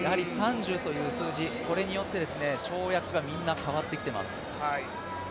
３０という数字によって、跳躍がみんな変わってきています。